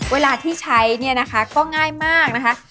เวลาที่ใช้เนี่ยนะคะก็ง่ายมากนะคะ